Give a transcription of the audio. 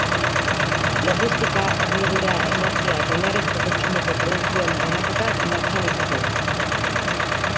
Logistika, hornidura, energia eta oinarrizko kontsumoko produktuen banaketa martxan izaten.